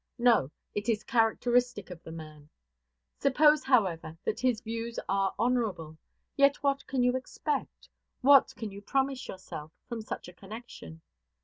No, it is characteristic of the man. Suppose, however, that his views are honorable; yet what can you expect, what can you promise yourself, from such a connection?